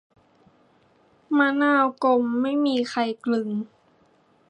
มะนาวกลมไม่มีใครกลึง